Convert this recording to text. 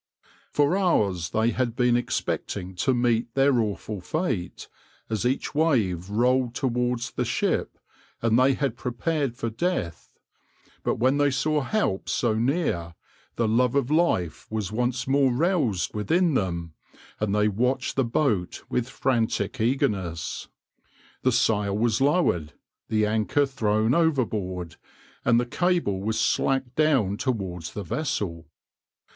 For hours they had been expecting to meet their awful fate, as each wave rolled towards the ship, and they had prepared for death; but when they saw help so near, the love of life was once more roused within them, and they watched the boat with frantic eagerness. The sail was lowered, the anchor thrown overboard, and the cable was slacked down towards the vessel.